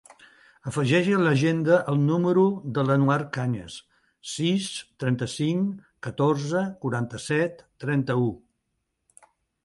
Afegeix a l'agenda el número de l'Anouar Cañas: sis, trenta-cinc, catorze, quaranta-set, trenta-u.